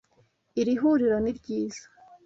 Iri huriro ni ryiza.